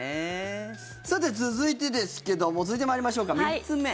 さて、続いてですけども続いて参りましょうか、３つ目。